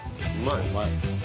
うまい。